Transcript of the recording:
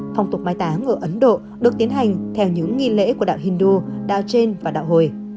phòng tục máy táng ở ấn độ được tiến hành theo những nghi lễ của đạo hindu đạo trên và đạo hồi